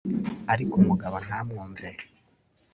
ariko umugabo ntamwumve